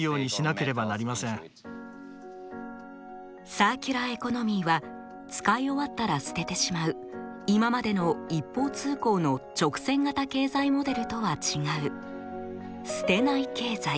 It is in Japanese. サーキュラーエコノミーは使い終わったら捨ててしまう今までの一方通行の直線型経済モデルとは違う「捨てない経済」